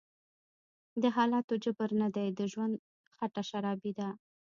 دحالاتو_جبر_نه_دی_د_ژوند_خټه_شرابي_ده